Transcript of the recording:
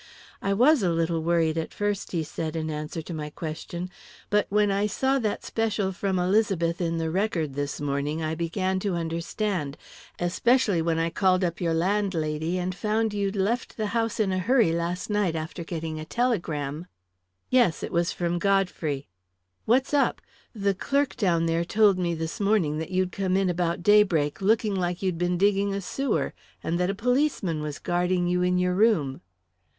"I was a little worried at first," he said, in answer to my question, "but when I saw that special from Elizabeth in the Record this morning, I began to understand, especially when I called up your landlady, and found you'd left the house in a hurry last night after getting a telegram." "Yes, it was from Godfrey." "What's up? The clerk down there told me this morning that you'd come in about daybreak looking like you'd been digging a sewer, and that a policeman was guarding you in your room."